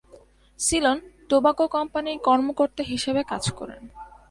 Ceylon tobacco কোম্পানির কর্মকর্তা হিসেবে কাজ করেন।